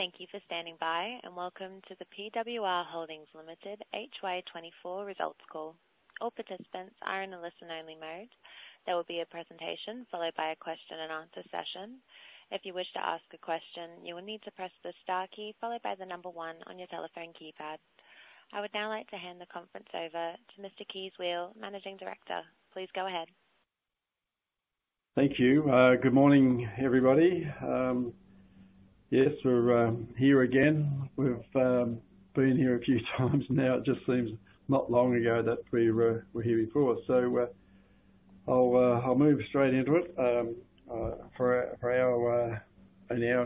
Thank you for standing by, and welcome to the PWR Holdings Limited HY 2024 Results Call. All participants are in a listen-only mode. There will be a presentation followed by a question-and-answer session. If you wish to ask a question, you will need to press the star key followed by the number one on your telephone keypad. I would now like to hand the conference over to Mr. Kees Weel, Managing Director. Please go ahead. Thank you. Good morning, everybody. Yes, we're here again. We've been here a few times now. It just seems not long ago that we were here before. So I'll move straight into it. For our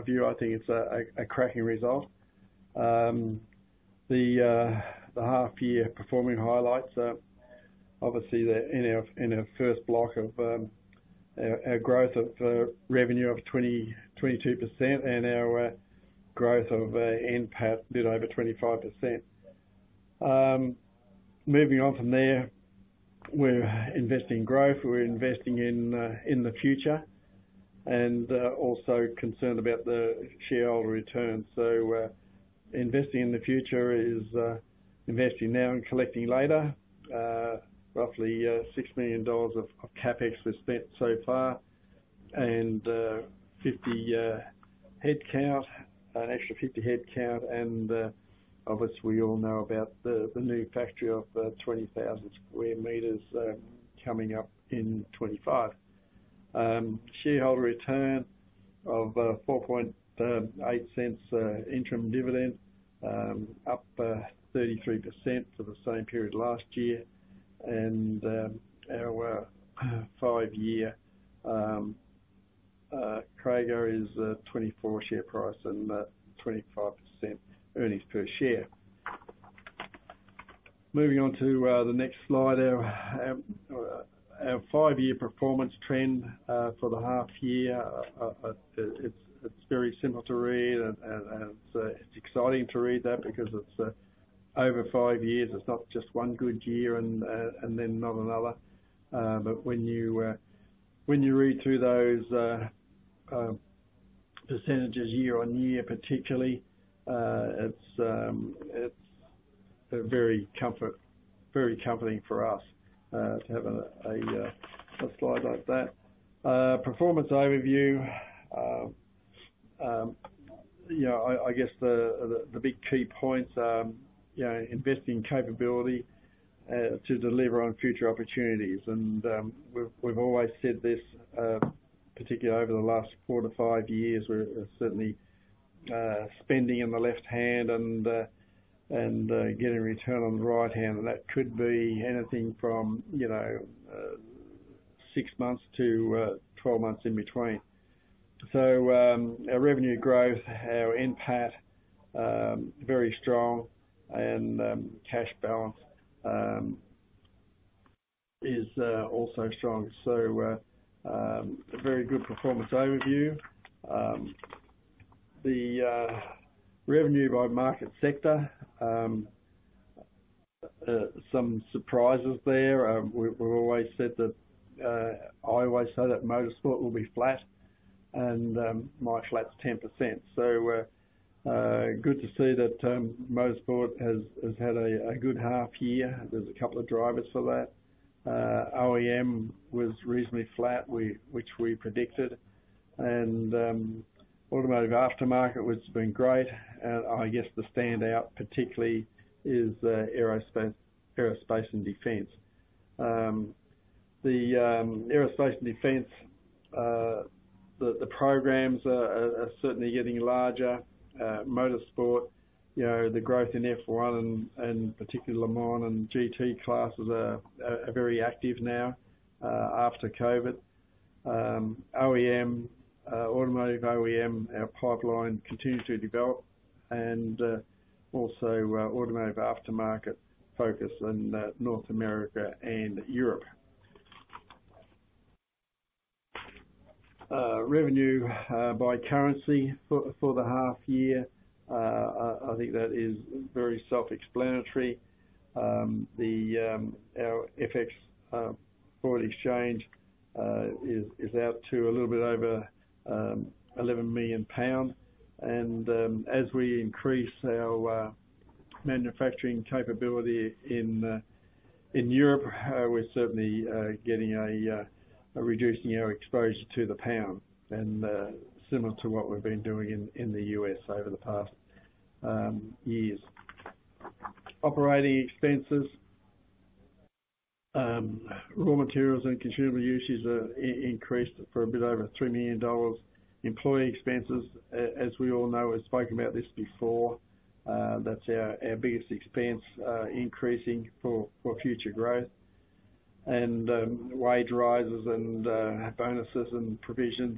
view, I think it's a cracking result. The half-year performance highlights, obviously, in our first half of our growth of revenue of 22% and our growth of NPAT a bit over 25%. Moving on from there, we're investing in growth. We're investing in the future and also concerned about the shareholder return. So investing in the future is investing now and collecting later. Roughly 6 million dollars of CapEx was spent so far and 50 headcount, an extra 50 headcount. And obviously, we all know about the new factory of 20,000 square meters coming up in 2025. Shareholder return of 0.048 interim dividend, up 33% for the same period last year. Our five-year CAGR is 24% share price and 25% earnings per share. Moving on to the next slide, our five-year performance trend for the half-year. It's very simple to read, and it's exciting to read that because it's over five years. It's not just one good year and then not another. But when you read through those percentages year on year, particularly, it's very comforting for us to have a slide like that. Performance overview, I guess the big key points are investing in capability to deliver on future opportunities. We've always said this, particularly over the last four to five years, we're certainly spending in the left hand and getting return on the right hand. That could be anything from six months to 12 months in between. Our revenue growth, our NPAT, very strong, and cash balance is also strong. Very good performance overview. The revenue by market sector, some surprises there. We've always said that I always say that motorsport will be flat, and my flat's 10%. So good to see that motorsport has had a good half-year. There's a couple of drivers for that. OEM was reasonably flat, which we predicted. Automotive aftermarket has been great. And I guess the standout, particularly, is aerospace and defense. The aerospace and defense, the programs are certainly getting larger. Motorsport, the growth in F1 and particularly Le Mans and GT classes are very active now after COVID. Automotive OEM, our pipeline continues to develop, and also automotive aftermarket focus in North America and Europe. Revenue by currency for the half-year, I think that is very self-explanatory. Our FX foreign exchange is out to a little bit over 11 million pound. As we increase our manufacturing capability in Europe, we're certainly reducing our exposure to the pound, similar to what we've been doing in the US over the past years. Operating expenses, raw materials and consumable uses increased for a bit over 3 million dollars. Employee expenses, as we all know we've spoken about this before, that's our biggest expense increasing for future growth. Wage rises and bonuses and provisions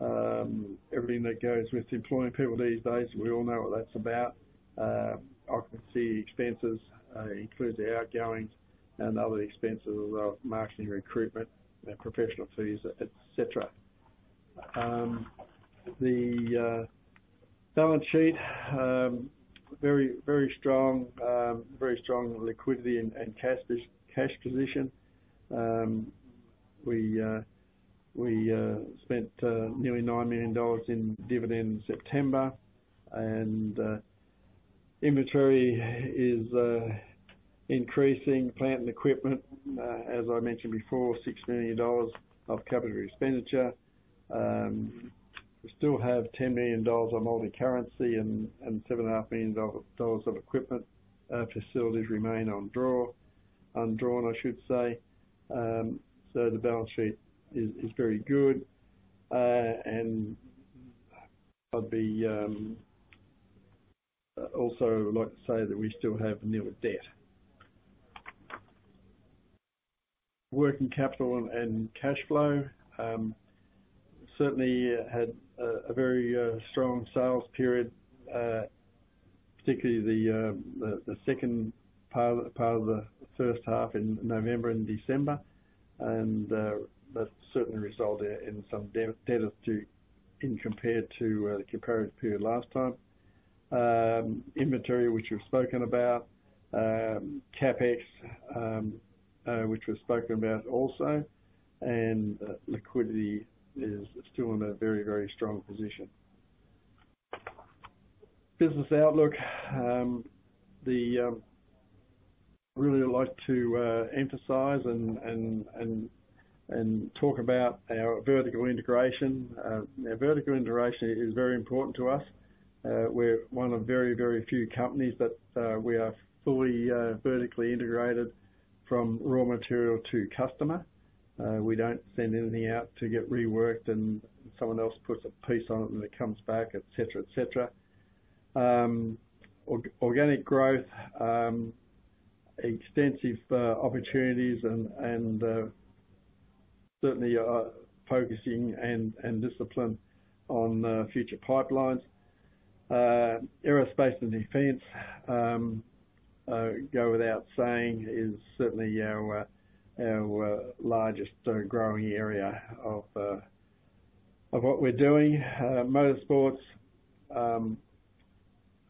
and everything that goes with employing people these days, we all know what that's about. Occupancy expenses include the outgoings and other expenses as well as marketing, recruitment, professional fees, etc. The balance sheet, very strong liquidity and cash position. We spent nearly 9 million dollars in dividend in September. Inventory is increasing, plant and equipment, as I mentioned before, 6 million dollars of capital expenditure. We still have 10 million dollars of multicurrency and 7.5 million dollars of equipment. Facilities remain undrawn, I should say. The balance sheet is very good. I'd also like to say that we still have no net debt. Working capital and cash flow certainly had a very strong sales period, particularly the second part of the first half in November and December. That certainly resulted in some net debt as compared to the comparative period last time. Inventory, which we've spoken about. CapEx, which we've spoken about also. Liquidity is still in a very, very strong position. Business outlook, I'd really like to emphasize and talk about our vertical integration. Our vertical integration is very important to us. We're one of very, very few companies that we are fully vertically integrated from raw material to customer. We don't send anything out to get reworked, and someone else puts a piece on it, and it comes back, etc., etc. Organic growth, extensive opportunities, and certainly focusing and discipline on future pipelines. Aerospace and defense, go without saying, is certainly our largest growing area of what we're doing. Motorsports,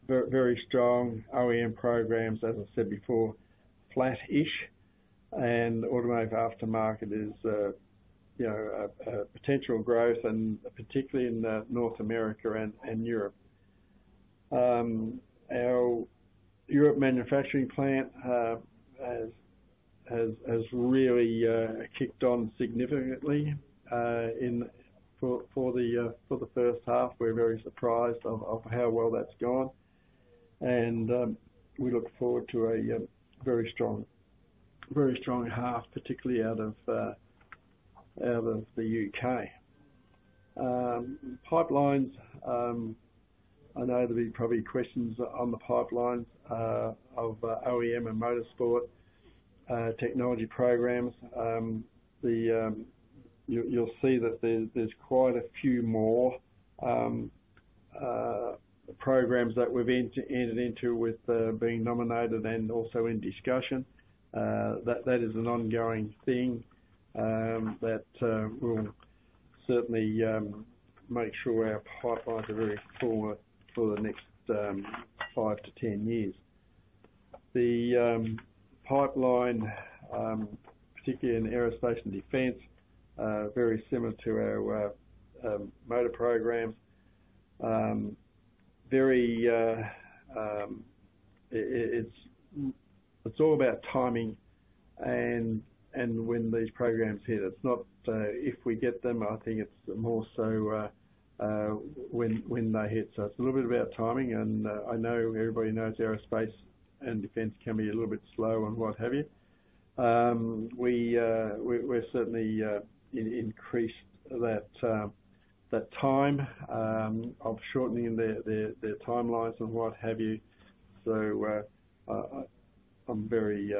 very strong. OEM programs, as I said before, flat-ish. And automotive aftermarket is potential growth, particularly in North America and Europe. Our Europe manufacturing plant has really kicked on significantly for the first half. We're very surprised of how well that's gone. And we look forward to a very strong half, particularly out of the U.K.. Pipelines, I know there'll be probably questions on the pipelines of OEM and Motorsport technology programs. You'll see that there's quite a few more programs that we've entered into with being nominated and also in discussion. That is an ongoing thing that will certainly make sure our pipelines are very full for the next 5-10 years. The pipeline, particularly in aerospace and defence, very similar to our motor programmes. It's all about timing and when these programmes hit. It's not if we get them, I think it's more so when they hit. So it's a little bit about timing. And I know everybody knows aerospace and defence can be a little bit slow and what have you. We've certainly increased that time of shortening their timelines and what have you. So I'm very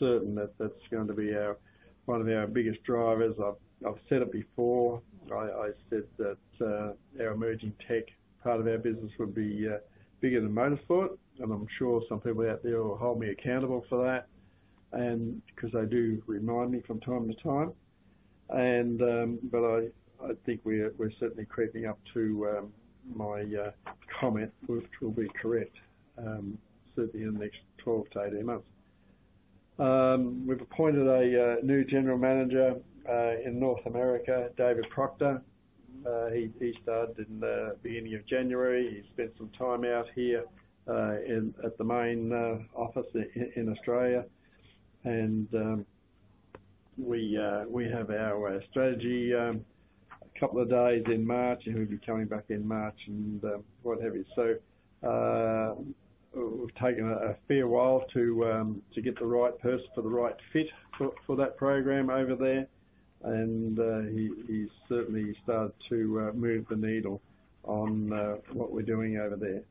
certain that that's going to be one of our biggest drivers. I've said it before. I said that our emerging tech part of our business would be bigger than Motorsport. And I'm sure some people out there will hold me accountable for that because they do remind me from time to time. But I think we're certainly creeping up to my comment, which will be correct, certainly in the next 12-18 months. We've appointed a new general manager in North America, David Proctor. He started in the beginning of January. He spent some time out here at the main office in Australia. And we have our strategy a couple of days in March, and he'll be coming back in March and what have you. So we've taken a fair while to get the right person for the right fit for that program over there. And he's certainly started to move the needle on what we're doing over there.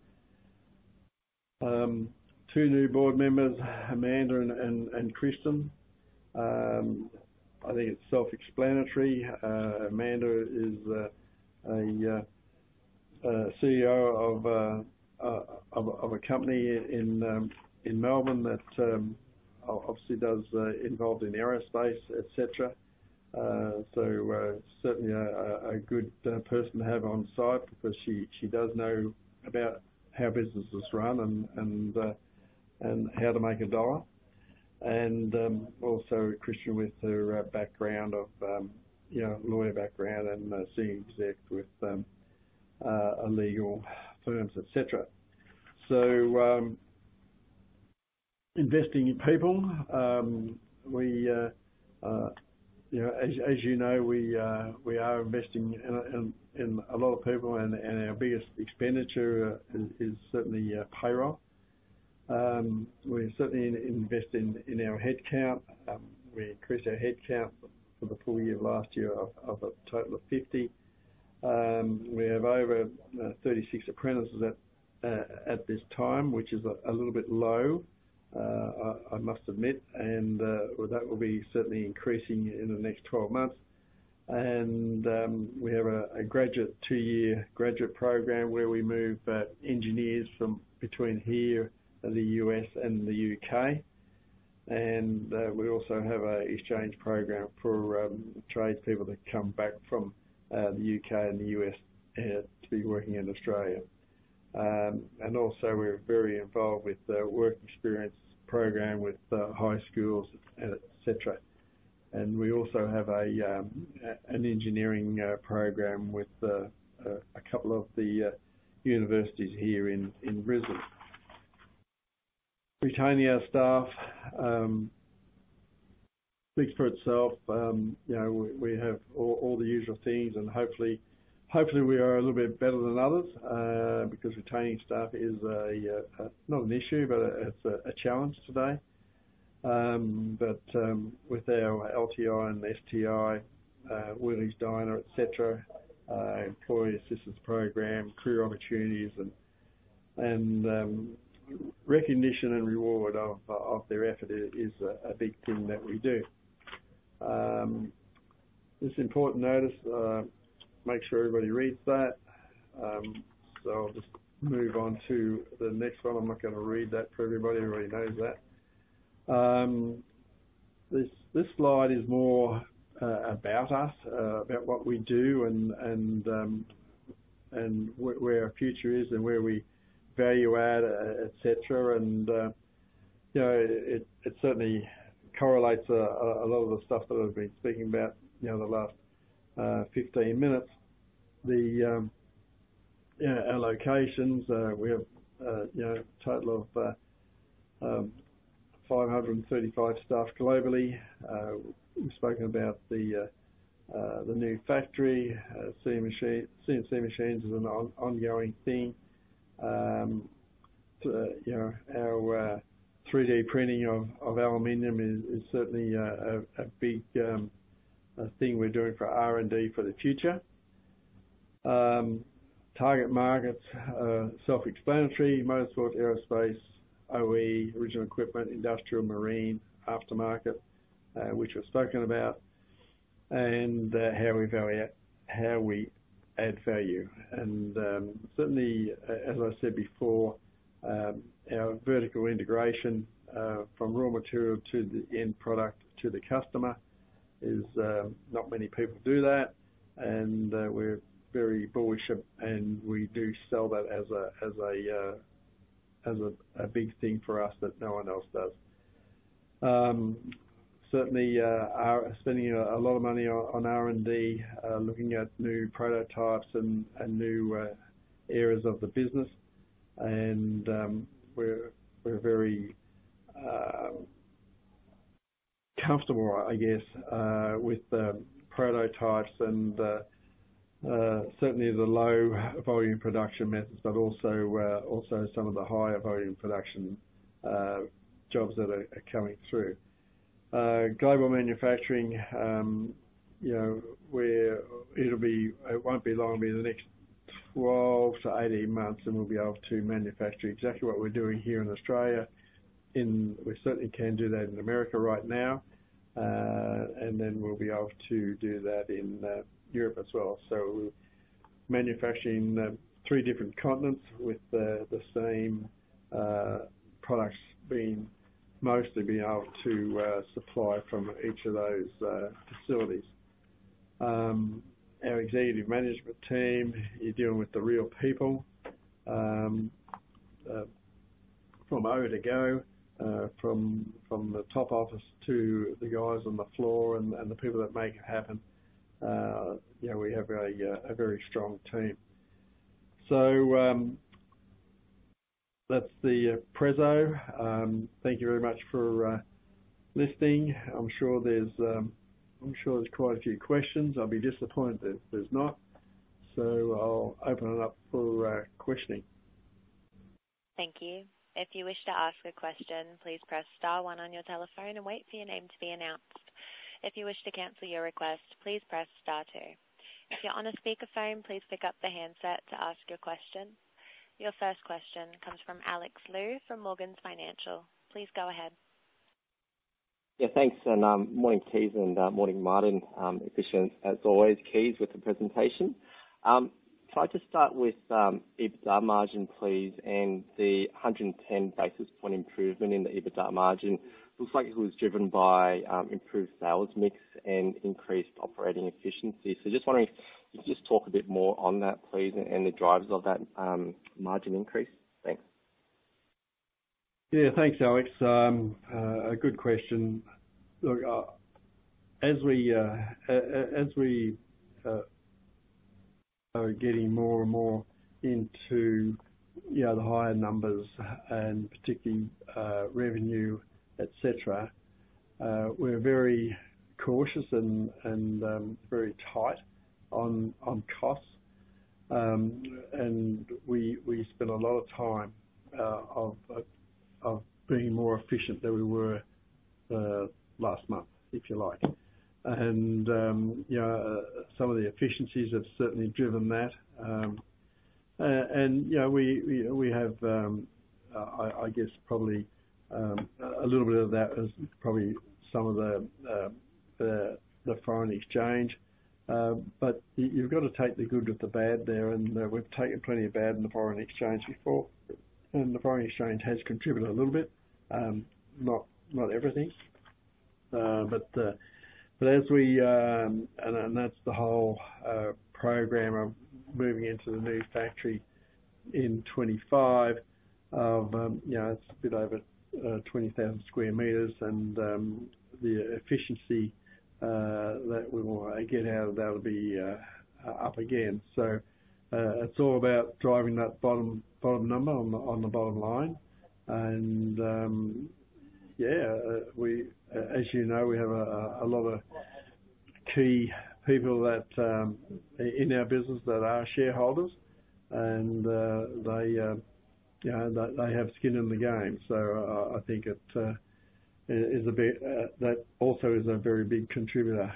Two new board members, Amanda and Kristen. I think it's self-explanatory. Amanda is a CEO of a company in Melbourne that obviously does involve in aerospace, etc. So certainly a good person to have on site because she does know about how businesses run and how to make a dollar. And also Kristen with her background of lawyer background and senior exec with legal firms, etc. So investing in people, as you know, we are investing in a lot of people. And our biggest expenditure is certainly payroll. We're certainly investing in our headcount. We increased our headcount for the full year last year of a total of 50. We have over 36 apprentices at this time, which is a little bit low, I must admit. And that will be certainly increasing in the next 12 months. And we have a two-year graduate programme where we move engineers between here in the U.S. and the U.K. We also have an exchange program for tradespeople that come back from the U.K. and the U.S. to be working in Australia. We're very involved with the work experience program with high schools, etc. We also have an engineering program with a couple of the universities here in Brisbane. Retaining our staff speaks for itself. We have all the usual things. Hopefully, we are a little bit better than others because retaining staff is not an issue, but it's a challenge today. With our LTI and STI, Wheelies Diner, etc., employee assistance program, career opportunities, and recognition and reward of their effort is a big thing that we do. This important notice. Make sure everybody reads that. I'll just move on to the next one. I'm not going to read that for everybody. Everybody knows that. This slide is more about us, about what we do and where our future is and where we value add, etc. It certainly correlates a lot of the stuff that I've been speaking about the last 15 minutes. Our locations, we have a total of 535 staff globally. We've spoken about the new factory. CNC machines is an ongoing thing. Our 3D printing of aluminum is certainly a big thing we're doing for R&D for the future. Target markets, self-explanatory: Motorsport, aerospace, OE, original equipment, industrial, marine, aftermarket, which we've spoken about, and how we add value. Certainly, as I said before, our vertical integration from raw material to the end product to the customer is not many people do that. We're very bullish. We do sell that as a big thing for us that no one else does. Certainly, spending a lot of money on R&D, looking at new prototypes and new areas of the business. We're very comfortable, I guess, with prototypes and certainly the low-volume production methods, but also some of the higher-volume production jobs that are coming through. Global manufacturing, it won't be long. It'll be the next 12-18 months, and we'll be able to manufacture exactly what we're doing here in Australia. We certainly can do that in America right now. Then we'll be able to do that in Europe as well. So manufacturing three different continents with the same products mostly being able to supply from each of those facilities. Our executive management team, you're dealing with the real people from top to toe, from the top office to the guys on the floor and the people that make it happen. We have a very strong team. So that's the presentation. Thank you very much for listening. I'm sure there's quite a few questions. I'll be disappointed that there's not. So I'll open it up for questioning. Thank you. If you wish to ask a question, please press star one on your telephone and wait for your name to be announced. If you wish to cancel your request, please press star two. If you're on a speakerphone, please pick up the handset to ask your question. Your first question comes from Alex Lu from Morgans Financial. Please go ahead. Yeah, thanks. Morning, Kees, and morning, Martin. Efficient, as always, Kees with the presentation. Can I just start with EBITDA margin, please, and the 110 basis point improvement in the EBITDA margin? Looks like it was driven by improved sales mix and increased operating efficiency. Just wondering if you could just talk a bit more on that, please, and the drivers of that margin increase. Thanks. Yeah, thanks, Alex. A good question. As we are getting more and more into the higher numbers and particularly revenue, etc., we're very cautious and very tight on costs. We spend a lot of time being more efficient than we were last month, if you like. Some of the efficiencies have certainly driven that. We have, I guess, probably a little bit of that is probably some of the foreign exchange. But you've got to take the good with the bad there. We've taken plenty of bad in the foreign exchange before. The foreign exchange has contributed a little bit, not everything. But that's the whole program of moving into the new factory in 2025. It's a bit over 20,000 square meters. The efficiency that we want to get out of that will be up again. It's all about driving that bottom number on the bottom line. Yeah, as you know, we have a lot of key people in our business that are shareholders. They have skin in the game. I think it is a bit that also is a very big contributor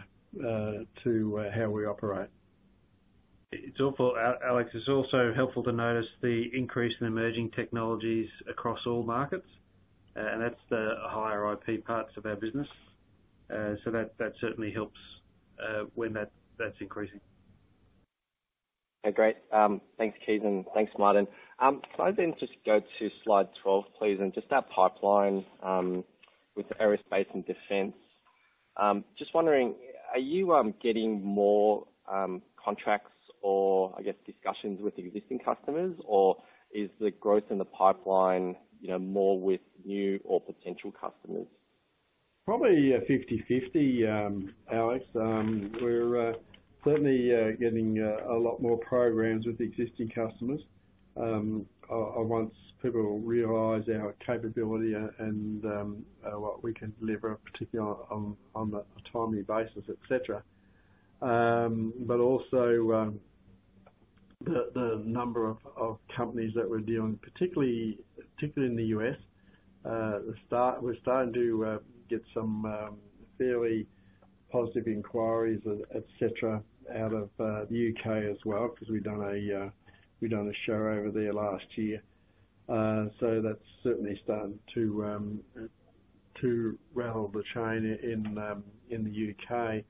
to how we operate. It's also helpful to notice the increase in emerging technologies across all markets. That's the higher IP parts of our business. That certainly helps when that's increasing. Okay, great. Thanks, Kees, and thanks, Martin. Can I then just go to slide 12, please, and just that pipeline with aerospace and defense? Just wondering, are you getting more contracts or, I guess, discussions with existing customers? Or is the growth in the pipeline more with new or potential customers? Probably 50/50, Alex. We're certainly getting a lot more programs with existing customers once people realize our capability and what we can deliver, particularly on a timely basis, etc. But also, the number of companies that we're dealing particularly in the U.S., we're starting to get some fairly positive inquiries, etc., out of the U.K. as well because we've done a show over there last year. So that's certainly starting to rattle the chain in the U.K.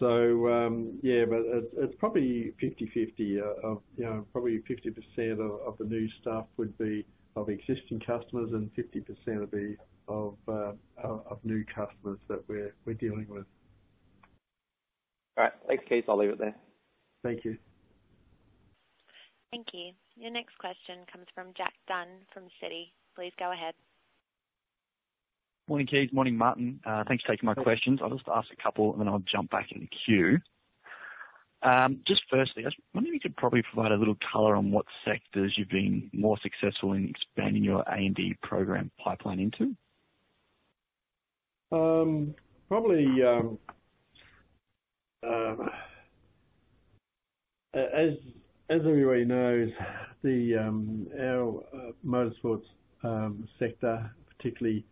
So yeah, but it's probably 50/50. Probably 50% of the new stuff would be of existing customers, and 50% would be of new customers that we're dealing with. All right. Thanks, Kees. I'll leave it there. Thank you. Thank you. Your next question comes from Jack Dunn from Citi. Please go ahead. Morning, Kees. Morning, Martin. Thanks for taking my questions. I'll just ask a couple, and then I'll jump back in the queue. Just firstly, I wonder if you could probably provide a little color on what sectors you've been more successful in expanding your A&D program pipeline into. Probably, as everybody knows, our motorsports sector, particularly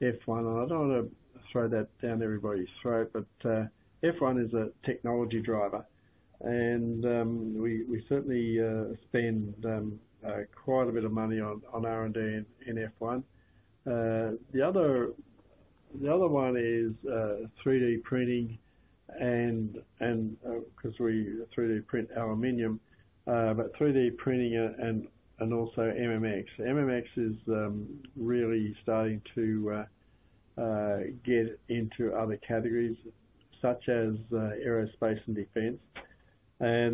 F1 and I don't want to throw that down everybody's throat, but F1 is a technology driver. We certainly spend quite a bit of money on R&D in F1. The other one is 3D printing because we 3D print aluminum, but 3D printing and also MMX. MMX is really starting to get into other categories such as aerospace and defense. I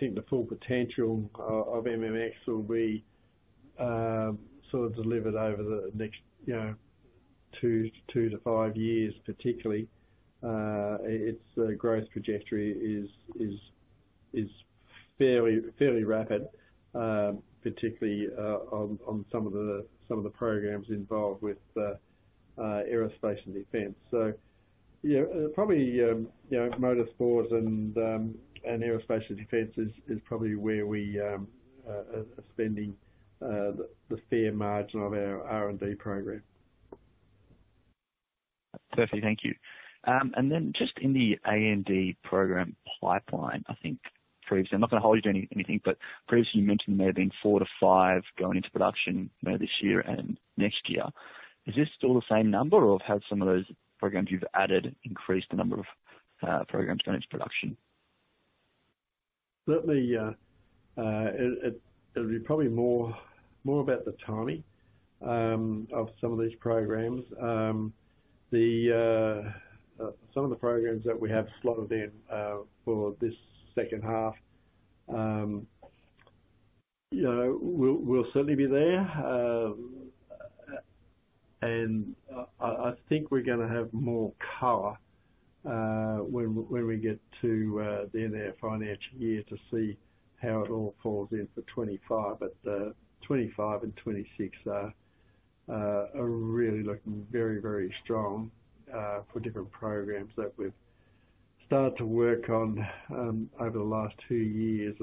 think the full potential of MMX will be sort of delivered over the next two to five years, particularly. Its growth trajectory is fairly rapid, particularly on some of the programs involved with aerospace and defense. Probably motorsports and aerospace and defense is probably where we are spending the fair margin of our R&D program. Perfect. Thank you. And then just in the A&D program pipeline, I think, I'm not going to hold you to anything, but previously, you mentioned there may have been four to five going into production this year and next year. Is this still the same number, or have some of those programs you've added increased the number of programs going into production? Certainly, it'll be probably more about the timing of some of these programs. Some of the programs that we have slotted in for this second half will certainly be there. I think we're going to have more color when we get to the end of our financial year to see how it all falls in for 2025. But 2025 and 2026 are really looking very, very strong for different programs that we've started to work on over the last two years.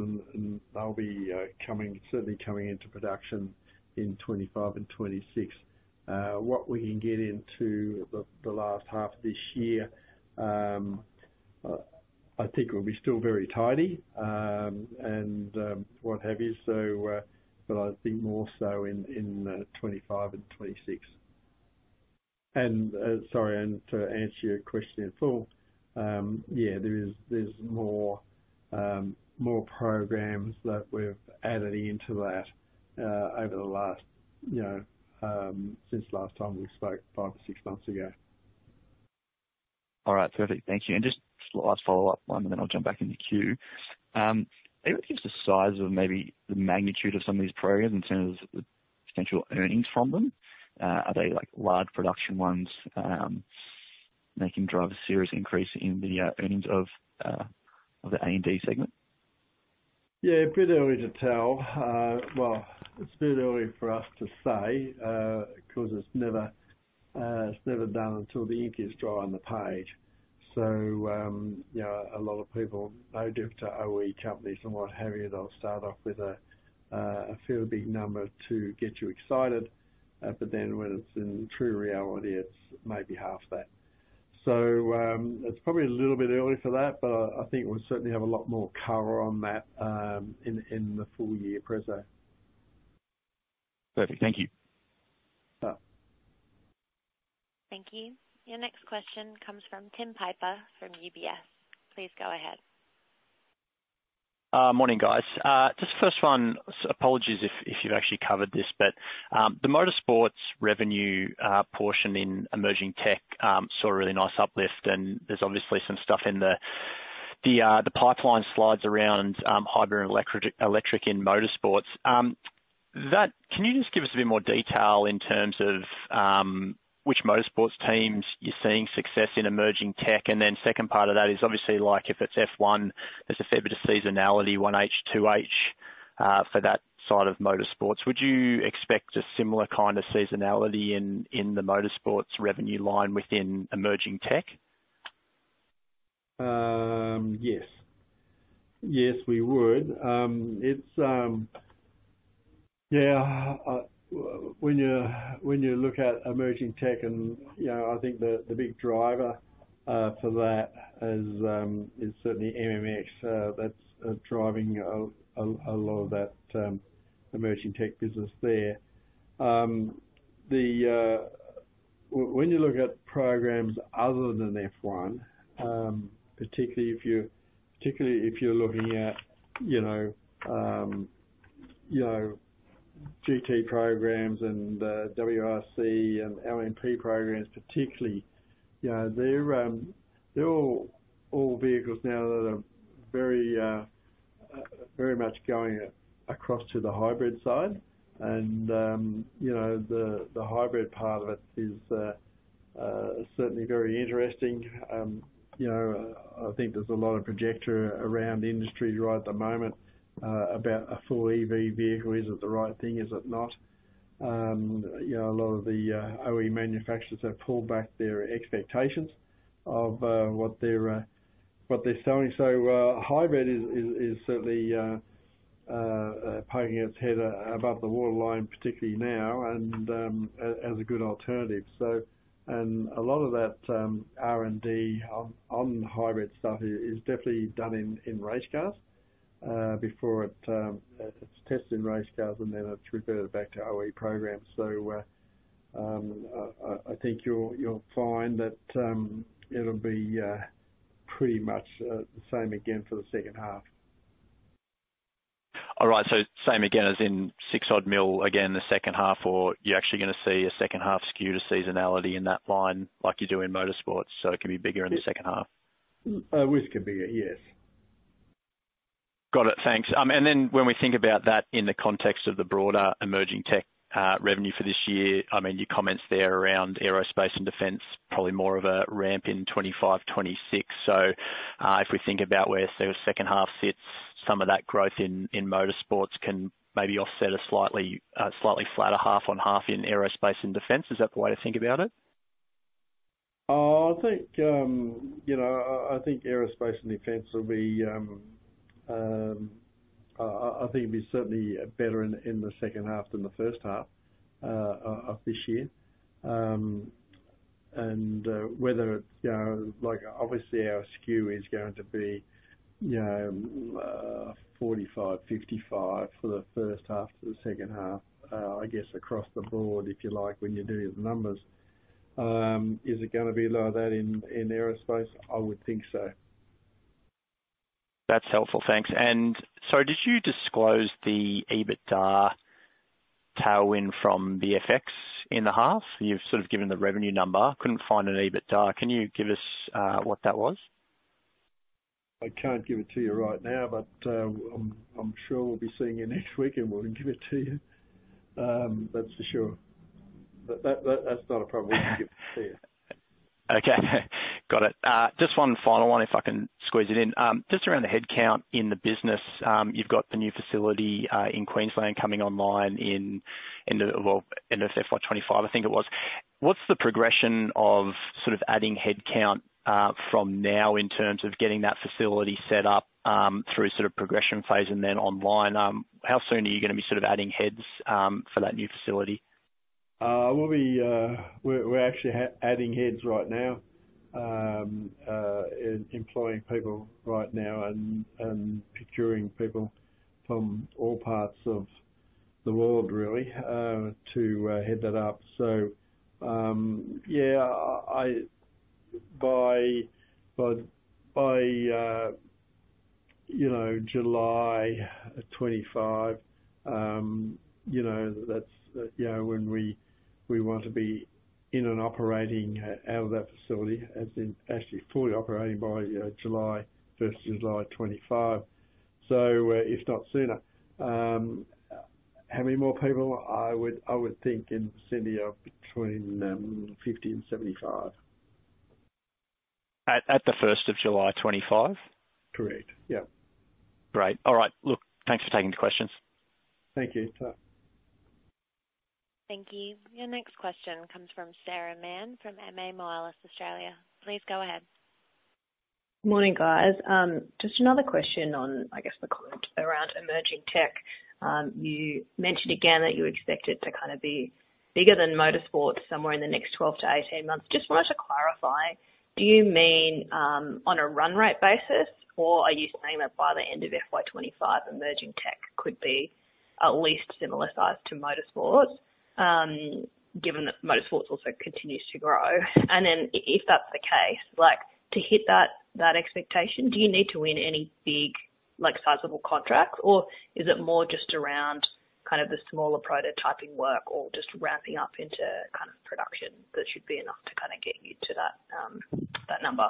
They'll be certainly coming into production in 2025 and 2026. What we can get into the last half of this year, I think it will be still very tidy and what have you. But I think more so in 2025 and 2026. Sorry, and to answer your question in full, yeah, there's more programs that we've added into that over the last since last time we spoke five or six months ago. All right. Perfect. Thank you. And just last follow-up one, and then I'll jump back in the queue. If you could give us the size of maybe the magnitude of some of these programs in terms of the potential earnings from them, are they large production ones? They can drive a serious increase in the earnings of the A&D segment? Yeah, a bit early to tell. Well, it's a bit early for us to say because it's never done until the ink is dry on the page. So a lot of people know different OE companies and what have you. They'll start off with a fairly big number to get you excited. But then when it's in true reality, it's maybe half that. So it's probably a little bit early for that, but I think we'll certainly have a lot more color on that in the full-year Prezo. Perfect. Thank you. Thank you. Your next question comes from Tim Piper from UBS. Please go ahead. Morning, guys. Just first one, apologies if you've actually covered this, but the motorsports revenue portion in emerging tech saw a really nice uplift. And there's obviously some stuff in the pipeline slides around hybrid and electric in motorsports. Can you just give us a bit more detail in terms of which motorsports teams you're seeing success in emerging tech? And then second part of that is obviously, if it's F1, there's a fair bit of seasonality, 1H, 2H, for that side of motorsports. Would you expect a similar kind of seasonality in the motorsports revenue line within emerging tech? Yes. Yes, we would. Yeah, when you look at emerging tech, and I think the big driver for that is certainly MMX. That's driving a lot of that emerging tech business there. When you look at programs other than F1, particularly if you're looking at GT programs and WRC and LMP programs, particularly, they're all vehicles now that are very much going across to the hybrid side. And the hybrid part of it is certainly very interesting. I think there's a lot of projection around the industry right at the moment about a full EV vehicle. Is it the right thing? Is it not? A lot of the OE manufacturers have pulled back their expectations of what they're selling. So hybrid is certainly poking its head above the waterline, particularly now, and as a good alternative. A lot of that R&D on hybrid stuff is definitely done in race cars before it's tested in race cars, and then it's referred back to OE programs. So I think you'll find that it'll be pretty much the same again for the second half. All right. So same again as in 6-odd million again the second half, or you're actually going to see a second half skew to seasonality in that line like you do in motorsports? So it can be bigger in the second half? Which can be it, yes. Got it. Thanks. And then when we think about that in the context of the broader emerging tech revenue for this year, I mean, your comments there around aerospace and defense, probably more of a ramp in 2025, 2026. So if we think about where the second half sits, some of that growth in motorsports can maybe offset a slightly flatter half-on-half in aerospace and defense. Is that the way to think about it? I think aerospace and defense will be. I think it'll be certainly better in the second half than the first half of this year. And whether it's obviously, our skew is going to be 45-55 for the first half to the second half, I guess, across the board, if you like, when you're doing the numbers. Is it going to be lower than that in aerospace? I would think so. That's helpful. Thanks. And so did you disclose the EBITDA tailwind from the FX in the half? You've sort of given the revenue number. Couldn't find an EBITDA. Can you give us what that was? I can't give it to you right now, but I'm sure we'll be seeing you next week, and we'll give it to you. That's for sure. That's not a problem. We can give it to you. Okay. Got it. Just one final one, if I can squeeze it in. Just around the headcount in the business, you've got the new facility in Queensland coming online in the end of FY 2025, I think it was. What's the progression of sort of adding headcount from now in terms of getting that facility set up through sort of progression phase and then online? How soon are you going to be sort of adding heads for that new facility? We're actually adding heads right now, employing people right now, and procuring people from all parts of the world, really, to head that up. So yeah, by July 2025, that's when we want to be in and operating out of that facility, actually fully operating by 1st July 2025, so if not sooner. How many more people? I would think in the vicinity of between 50 and 75. At the 1st of July 2025? Correct. Yeah. Great. All right. Look, thanks for taking the questions. Thank you. Thank you. Your next question comes from Sarah Mann from Moelis Australia. Please go ahead. Morning, guys. Just another question on, I guess, the comment around emerging tech. You mentioned again that you expect it to kind of be bigger than motorsports somewhere in the next 12-18 months. Just wanted to clarify. Do you mean on a run-rate basis, or are you saying that by the end of FY 2025, emerging tech could be at least similar size to motorsports, given that motorsports also continues to grow? And then if that's the case, to hit that expectation, do you need to win any big, sizable contracts, or is it more just around kind of the smaller prototyping work or just ramping up into kind of production that should be enough to kind of get you to that number?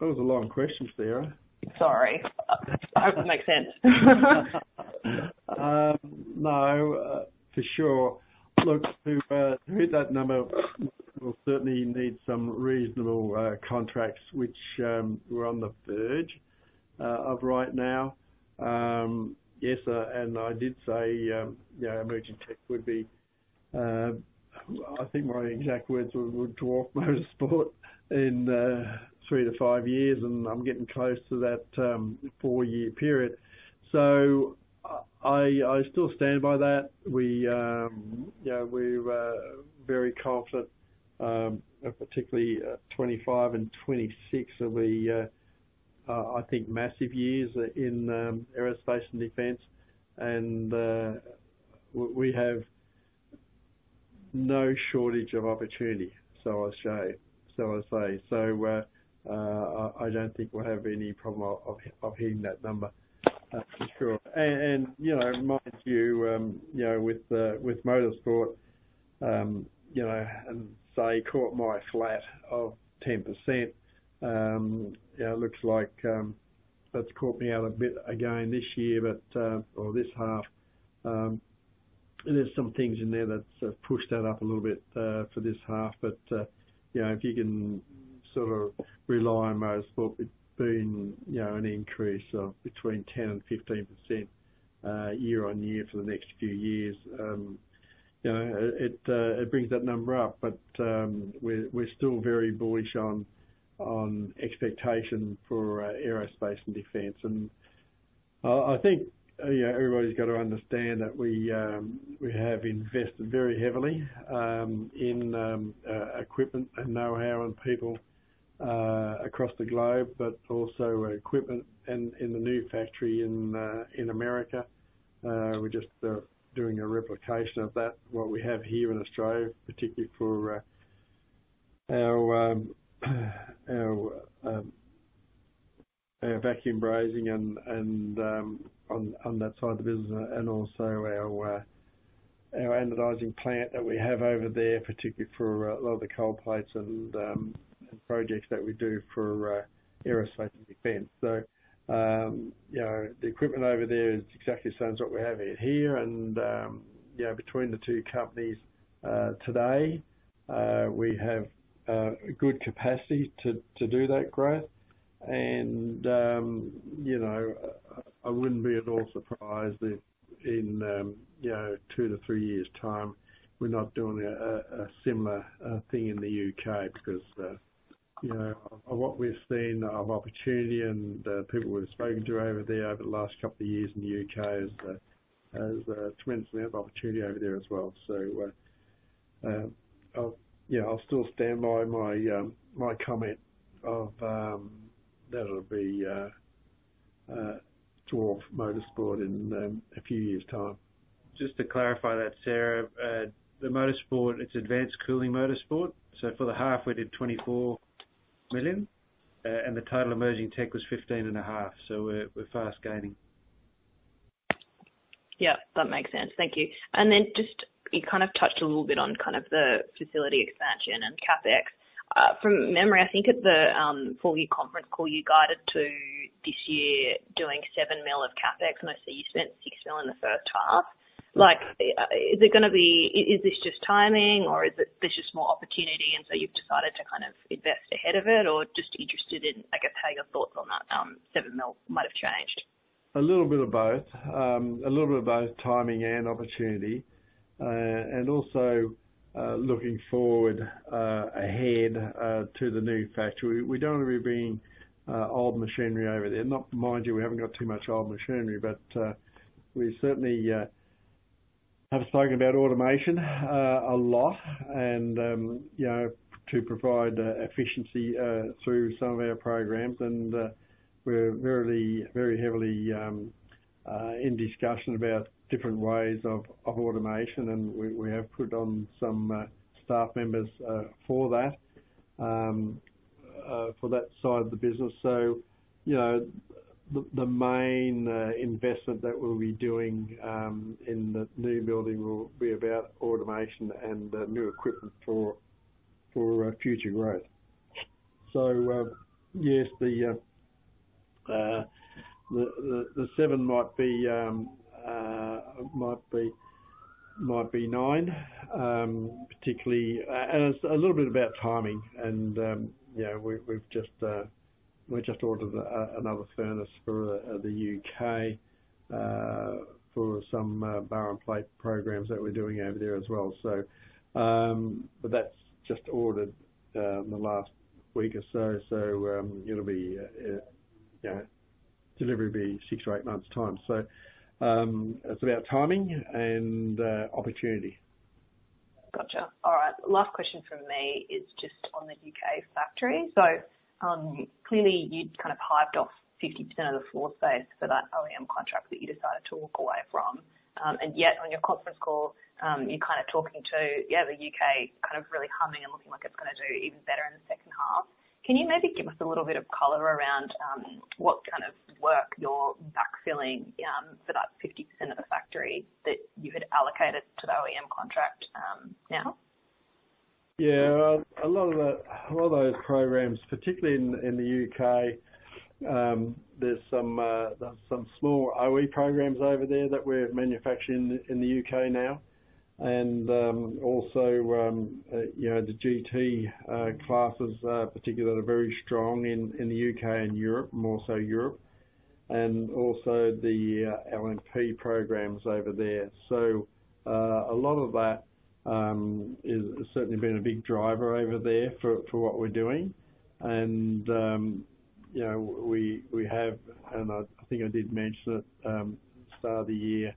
Those are long questions, Sarah. Sorry. I hope it makes sense. No, for sure. Look, to hit that number, we'll certainly need some reasonable contracts, which we're on the verge of right now. Yes. I did say emerging tech would be I think my exact words would dwarf motorsport in 3-5 years, and I'm getting close to that four-year period. So I still stand by that. We're very confident, particularly 2025 and 2026 will be, I think, massive years in aerospace and defense. And we have no shortage of opportunity, so I say. So I don't think we'll have any problem of hitting that number, for sure. And mind you, with motorsport, and say caught my flat of 10%, it looks like it's caught me out a bit again this year or this half. There's some things in there that's pushed that up a little bit for this half. But if you can sort of rely on motorsport, it'd be an increase of between 10% and 15% year-on-year for the next few years. It brings that number up. But we're still very bullish on expectation for aerospace and defense. And I think everybody's got to understand that we have invested very heavily in equipment and know-how and people across the globe, but also equipment in the new factory in America. We're just doing a replication of that, what we have here in Australia, particularly for our vacuum brazing on that side of the business and also our anodizing plant that we have over there, particularly for a lot of the cold plates and projects that we do for aerospace and defense. So the equipment over there is exactly the same as what we have here. Between the two companies today, we have good capacity to do that growth. I wouldn't be at all surprised if in two to three years' time, we're not doing a similar thing in the U.K. because of what we've seen of opportunity and the people we've spoken to over there over the last couple of years in the U.K. has tremendously ample opportunity over there as well. Yeah, I'll still stand by my comment of that it'll be dwarf motorsport in a few years' time. Just to clarify that, Sarah, the motorsport, it's advanced cooling motorsport. So for the half, we did 24 million, and the total emerging tech was 15.5 million. So we're fast gaining. Yep. That makes sense. Thank you. And then just you kind of touched a little bit on kind of the facility expansion and CapEx. From memory, I think at the full-year conference call, you guided to this year doing 7 million of CapEx, and I see you spent 6 million in the first half. Is it going to be? Is this just timing, or is there just more opportunity, and so you've decided to kind of invest ahead of it, or just interested in, I guess, how your thoughts on that 7 million might have changed? A little bit of both. A little bit of both timing and opportunity and also looking forward ahead to the new factory. We don't want to be bringing old machinery over there. Mind you, we haven't got too much old machinery, but we certainly have spoken about automation a lot and to provide efficiency through some of our programs. And we're very heavily in discussion about different ways of automation, and we have put on some staff members for that, for that side of the business. So the main investment that we'll be doing in the new building will be about automation and new equipment for future growth. So yes, the seven might be nine, particularly and it's a little bit about timing. And we've just ordered another furnace for the U.K. for some bar and plate programs that we're doing over there as well. But that's just ordered in the last week or so, so it'll be delivered in six or eight months' time. So it's about timing and opportunity. Gotcha. All right. Last question from me is just on the U.K. factory. So clearly, you'd kind of hived off 50% of the floor space for that OEM contract that you decided to walk away from. And yet, on your conference call, you're kind of talking to, yeah, the U.K. kind of really humming and looking like it's going to do even better in the second half. Can you maybe give us a little bit of color around what kind of work you're backfilling for that 50% of the factory that you had allocated to the OEM contract now? Yeah. A lot of those programs, particularly in the U.K., there's some small OE programs over there that we're manufacturing in the U.K. now. And also, the GT classes, particularly, are very strong in the U.K. and Europe, more so Europe, and also the LMP programs over there. So a lot of that has certainly been a big driver over there for what we're doing. And we have and I think I did mention it at the start of the year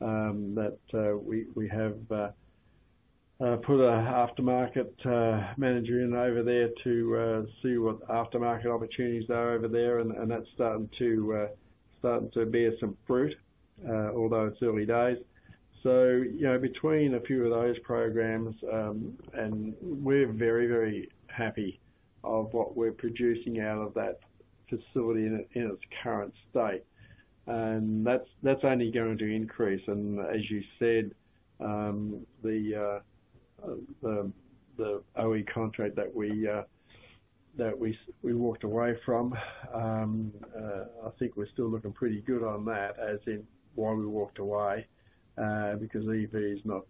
that we have put an aftermarket manager in over there to see what aftermarket opportunities there are over there. And that's starting to bear some fruit, although it's early days. So between a few of those programs, and we're very, very happy of what we're producing out of that facility in its current state. And that's only going to increase. As you said, the OE contract that we walked away from, I think we're still looking pretty good on that, as in why we walked away, because EV is not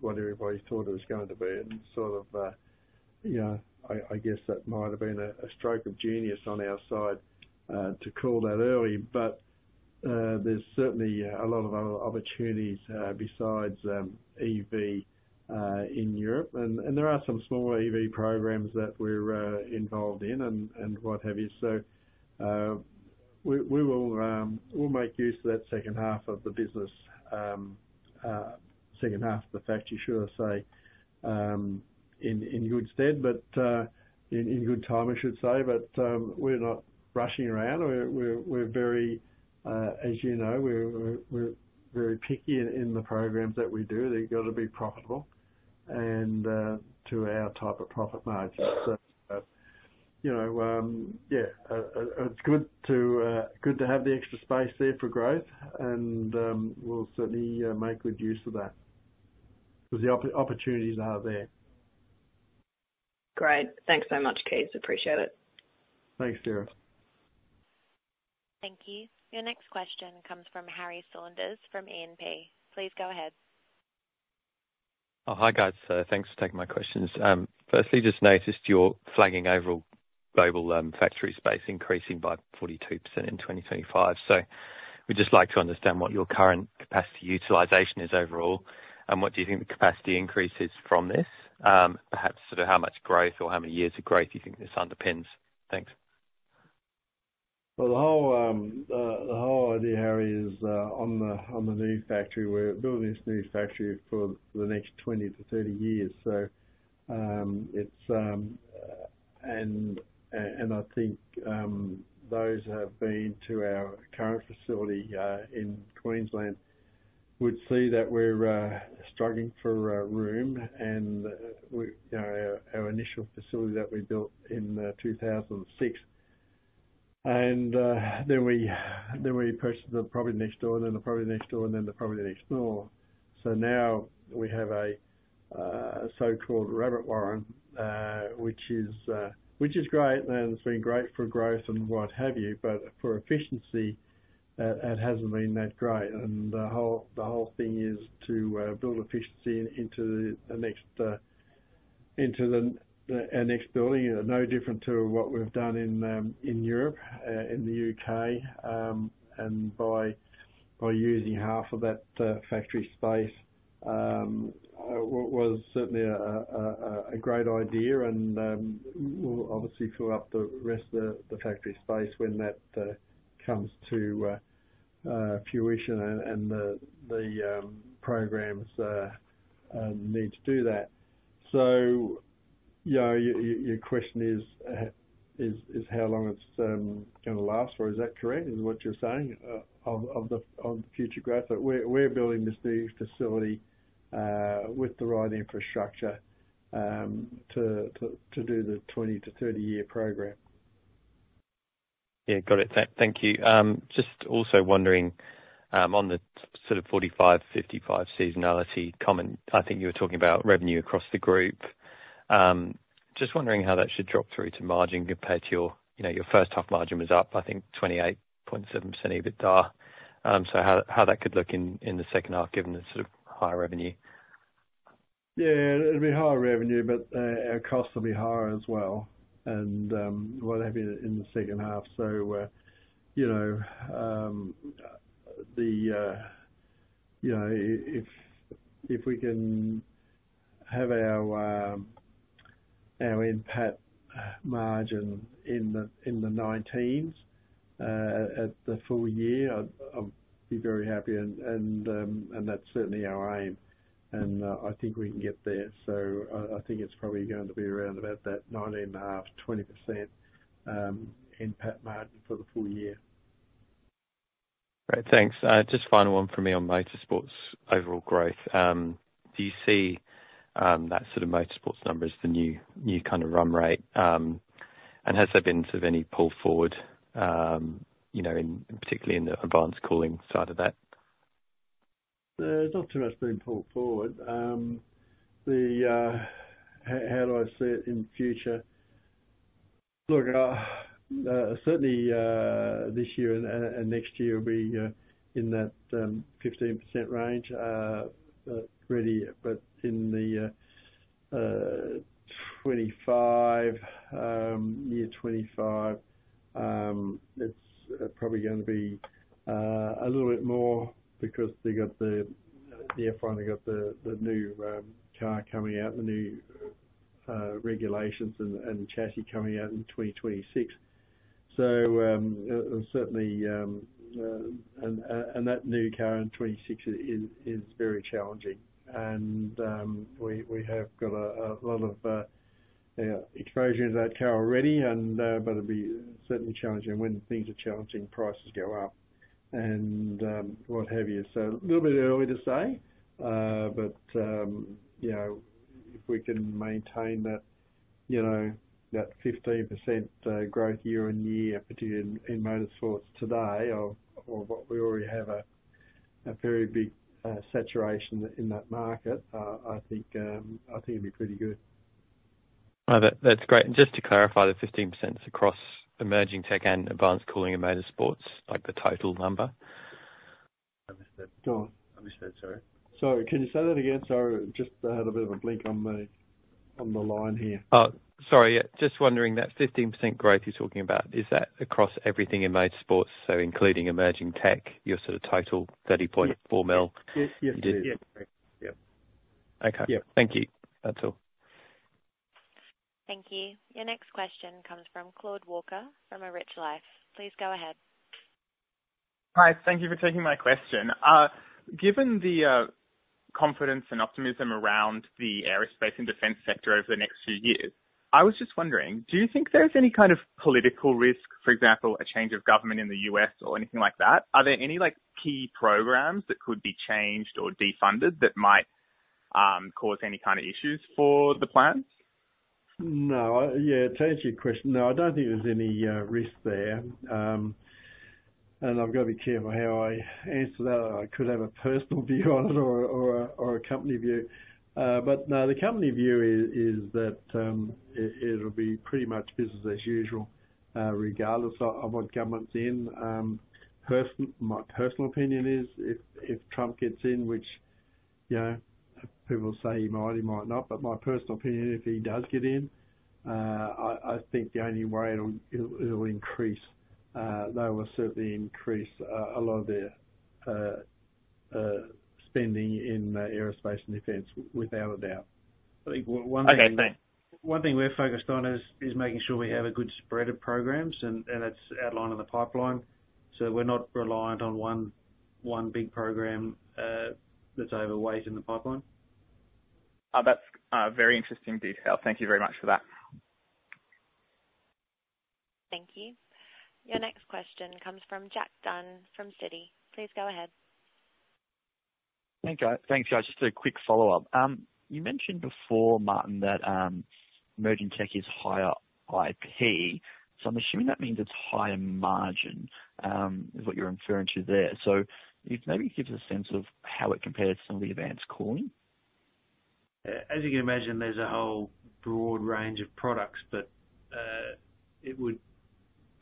what everybody thought it was going to be. And sort of, I guess, that might have been a stroke of genius on our side to call that early. But there's certainly a lot of other opportunities besides EV in Europe. And there are some smaller EV programs that we're involved in and what have you. So we will make use of that second half of the business, second half of the factory, should I say, in good stead, but in good time, I should say. But we're not rushing around. We're very, as you know, we're very picky in the programs that we do. They've got to be profitable and to our type of profit margin. So yeah, it's good to have the extra space there for growth, and we'll certainly make good use of that because the opportunities are there. Great. Thanks so much, Kees. Appreciate it. Thanks, Sarah. Thank you. Your next question comes from Harry from E&P. Please go ahead. Hi, guys. Thanks for taking my questions. Firstly, just noticed you're flagging overall global factory space increasing by 42% in 2025. So we'd just like to understand what your current capacity utilization is overall, and what do you think the capacity increase is from this? Perhaps sort of how much growth or how many years of growth do you think this underpins? Thanks. Well, the whole idea, Harry, is on the new factory. We're building this new factory for the next 20-30 years. And I think those have been to our current facility in Queensland. We'd see that we're struggling for room and our initial facility that we built in 2006. And then we purchased the property next door and then the property next door and then the property next door. So now we have a so-called rabbit warren, which is great, and it's been great for growth and what have you, but for efficiency, it hasn't been that great. The whole thing is to build efficiency into our next building, no different to what we've done in Europe, in the U.K., and by using half of that factory space was certainly a great idea and will obviously fill up the rest of the factory space when that comes to fruition and the programs need to do that. So your question is how long it's going to last, or is that correct, is what you're saying, of the future growth? We're building this new facility with the right infrastructure to do the 20-30-year program. Yeah. Got it. Thank you. Just also wondering, on the sort of 45-55 seasonality comment, I think you were talking about revenue across the group. Just wondering how that should drop through to margin compared to your first half. Margin was up, I think, 28.7% EBITDA. So how that could look in the second half given the sort of higher revenue. Yeah. It'll be higher revenue, but our costs will be higher as well and what have you in the second half. So if we can have our NPAT margin in the 19s at the full year, I'd be very happy. And that's certainly our aim. And I think we can get there. So I think it's probably going to be around about that 19.5%-20% NPAT margin for the full year. Great. Thanks. Just final one for me on motorsports overall growth. Do you see that sort of motorsports number as the new kind of run rate? And has there been sort of any pull forward, particularly in the advanced cooling side of that? There's not too much being pulled forward. How do I see it in the future? Look, certainly this year and next year, we'll be in that 15% range ready. But in the year 2025, it's probably going to be a little bit more because they've got the F1, they've got the new car coming out, the new regulations and chassis coming out in 2026. And that new car in 2026 is very challenging. And we have got a lot of exposure into that car already, but it'll be certainly challenging. And when things are challenging, prices go up and what have you. So a little bit early to say, but if we can maintain that 15% growth year-over-year, particularly in motorsports today, or what we already have a very big saturation in that market, I think it'd be pretty good. That's great. And just to clarify, the 15% is across emerging tech and advanced cooling and motorsports, the total number? I missed that. I missed that, sorry. Sorry. Can you say that again? Sorry, I just had a bit of a blink on the line here. Sorry. Just wondering, that 15% growth you're talking about, is that across everything in motorsports, so including emerging tech, your sort of total 30.4 million? Yes. Yes. Yes. Yep. Okay. Thank you. That's all. Thank you. Your next question comes from Claude Walker from A Rich Life. Please go ahead. Hi. Thank you for taking my question. Given the confidence and optimism around the aerospace and defense sector over the next few years, I was just wondering, do you think there's any kind of political risk, for example, a change of government in the U.S. or anything like that? Are there any key programs that could be changed or defunded that might cause any kind of issues for the plants? No. Yeah. To answer your question, no, I don't think there's any risk there. I've got to be careful how I answer that. I could have a personal view on it or a company view. No, the company view is that it'll be pretty much business as usual regardless of what government's in. My personal opinion is if Trump gets in, which people will say he might, he might not, but my personal opinion, if he does get in, I think the only way it'll increase, they will certainly increase a lot of their spending in aerospace and defense, without a doubt. I think one thing we're focused on is making sure we have a good spread of programs, and that's outlined in the pipeline, so we're not reliant on one big program that's overweight in the pipeline. That's a very interesting detail. Thank you very much for that. Thank you. Your next question comes from Jack Dunn from Citi. Please go ahead. Thanks, guys. Just a quick follow-up. You mentioned before, Martin, that emerging tech is higher IP. So I'm assuming that means it's higher margin is what you're referring to there. So maybe give us a sense of how it compares to some of the advanced cooling? As you can imagine, there's a whole broad range of products, but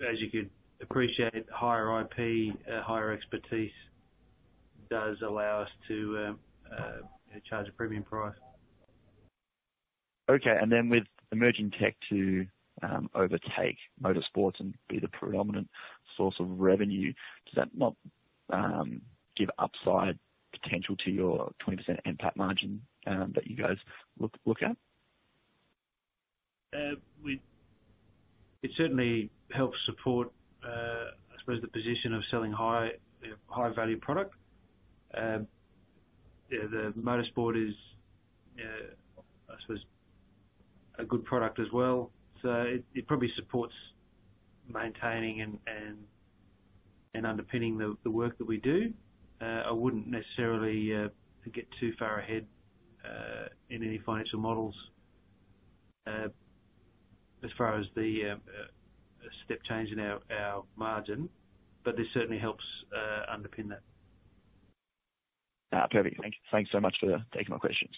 as you could appreciate, higher IP, higher expertise does allow us to charge a premium price. Okay. And then with emerging tech to overtake motorsports and be the predominant source of revenue, does that not give upside potential to your 20% NPAT margin that you guys look at? It certainly helps support, I suppose, the position of selling high-value product. The motorsport is, I suppose, a good product as well. So it probably supports maintaining and underpinning the work that we do. I wouldn't necessarily get too far ahead in any financial models as far as a step change in our margin, but this certainly helps underpin that. Perfect. Thanks so much for taking my questions.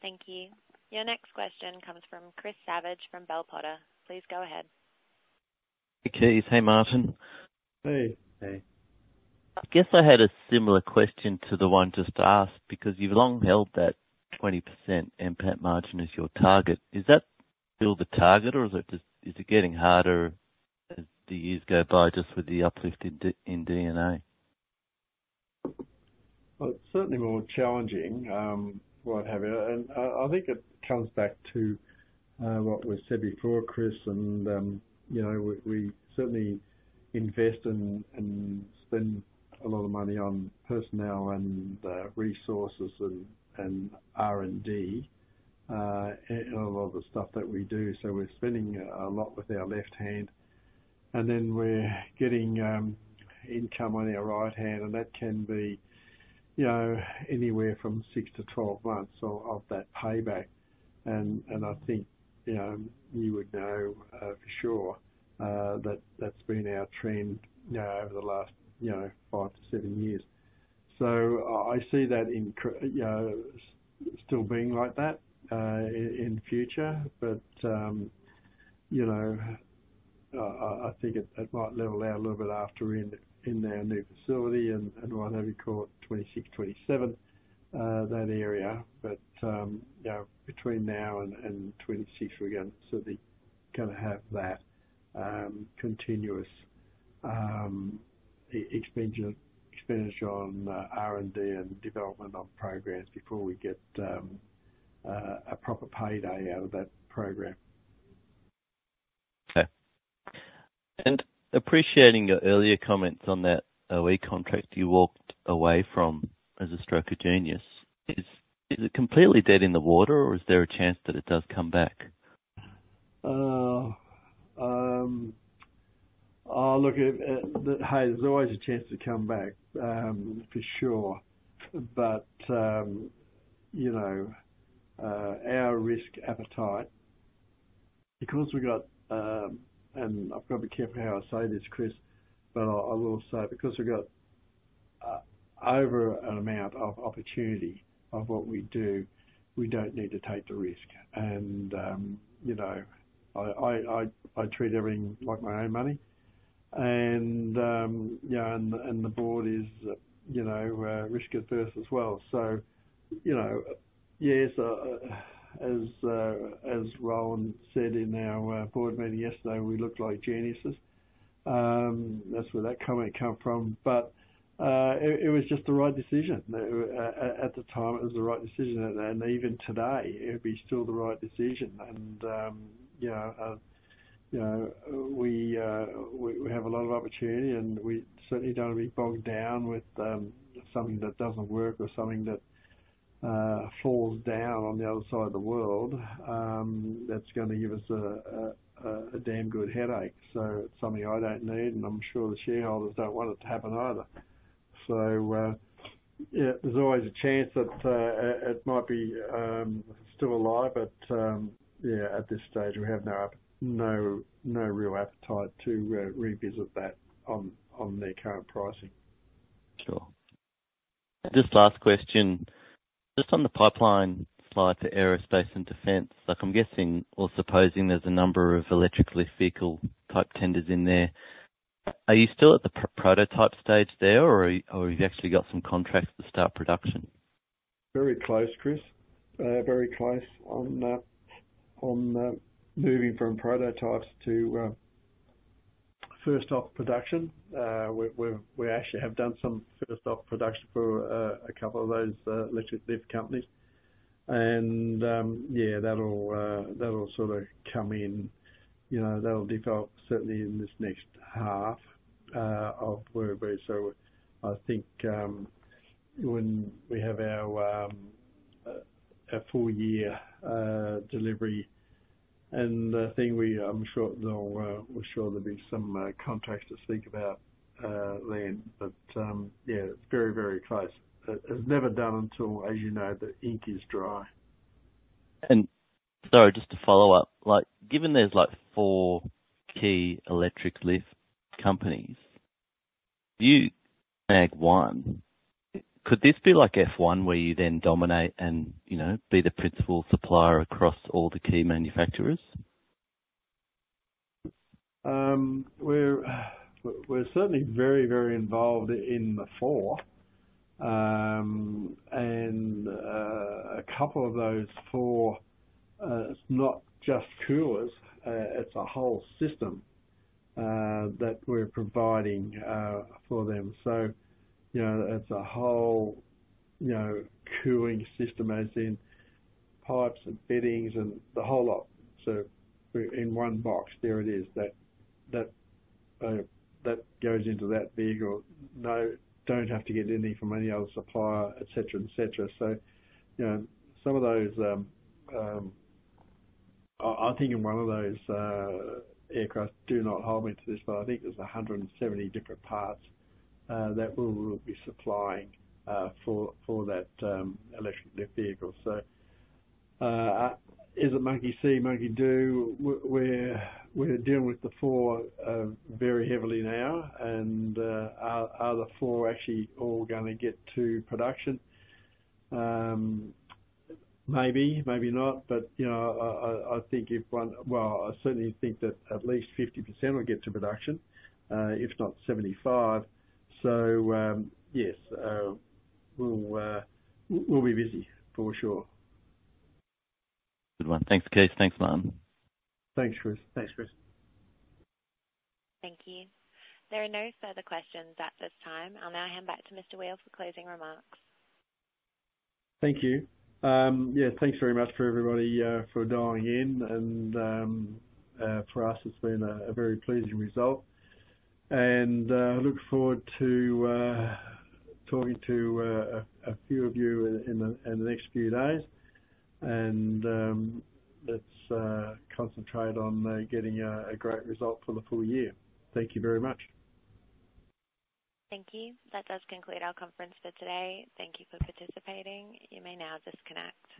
Thank you. Your next question comes from Chris Savage from Bell Potter. Please go ahead. Hey, Kees. Hey, Martin. Hey. I guess I had a similar question to the one just asked because you've long held that 20% NPAT margin as your target. Is that still the target, or is it getting harder as the years go by just with the uplift in A&D? Well, it's certainly more challenging, what have you. I think it comes back to what was said before, Chris. We certainly invest and spend a lot of money on personnel and resources and R&D and a lot of the stuff that we do. So we're spending a lot with our left hand, and then we're getting income on our right hand, and that can be anywhere from 6-12 months of that payback. I think you would know for sure that that's been our trend over the last five to seven years. So I see that still being like that in the future, but I think it might level out a little bit after in our new facility and what have you, call it 2026, 2027, that area. Between now and 2026, we're going to certainly kind of have that continuous expenditure on R&D and development on programs before we get a proper payday out of that program. Okay. And appreciating your earlier comments on that contract you walked away from as a stroke of genius, is it completely dead in the water, or is there a chance that it does come back? Look, hey, there's always a chance to come back for sure. But our risk appetite, because we've got, and I've got to be careful how I say this, Chris, but I will say because we've got over an amount of opportunity of what we do, we don't need to take the risk. And I treat everything like my own money. And the board is risk-averse as well. So yes, as Rowan said in our board meeting yesterday, we look like geniuses. That's where that comment came from. But it was just the right decision. At the time, it was the right decision. And even today, it'd be still the right decision. We have a lot of opportunity, and we certainly don't want to be bogged down with something that doesn't work or something that falls down on the other side of the world that's going to give us a damn good headache. So it's something I don't need, and I'm sure the shareholders don't want it to happen either. So yeah, there's always a chance that it might be still alive, but yeah, at this stage, we have no real appetite to revisit that on their current pricing. Sure. Just last question. Just on the pipeline slide for aerospace and defense, I'm guessing or supposing there's a number of electric vehicle type tenders in there. Are you still at the prototype stage there, or have you actually got some contracts to start production? Very close, Chris. Very close on moving from prototypes to first-off production. We actually have done some first-off production for a couple of those electric lift companies. And yeah, that'll sort of come in. That'll develop certainly in this next half of where we're at. So I think when we have our full-year delivery and the thing, I'm sure there'll be some contracts to speak about then. But yeah, it's very, very close. It's never done until, as you know, the ink is dry. Sorry, just to follow up. Given there's four key electric lift companies, you own one, could this be F1 where you then dominate and be the principal supplier across all the key manufacturers? We're certainly very, very involved in the four. And a couple of those four, it's not just coolers. It's a whole system that we're providing for them. So it's a whole cooling system, as in pipes and beddings and the whole lot. So in one box, there it is. That goes into that vehicle. No, don't have to get any from any other supplier, etc., etc. So some of those I'm thinking one of those aircraft do not hold me to this, but I think there's 170 different parts that we'll be supplying for that electric lift vehicle. So is it monkey see, monkey do? We're dealing with the four very heavily now. And are the four actually all going to get to production? Maybe, maybe not. But I think if one well, I certainly think that at least 50% will get to production, if not 75%. Yes, we'll be busy for sure. Good one. Thanks, Kees. Thanks, Martin. Thanks, Chris. Thanks, Chris. Thank you. There are no further questions at this time. I'll now hand back to Mr. Weel for closing remarks. Thank you. Yeah, thanks very much for everybody for dialing in. For us, it's been a very pleasing result. I look forward to talking to a few of you in the next few days. Let's concentrate on getting a great result for the full year. Thank you very much. Thank you. That does conclude our conference for today. Thank you for participating. You may now disconnect.